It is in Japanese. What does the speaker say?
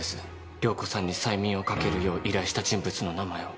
涼子さんに催眠をかけるよう依頼した人物の名前を。